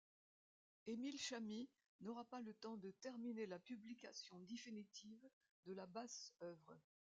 Émile Chami n'aura pas le temps de terminer la publication définitive de la Basse-Œuvre.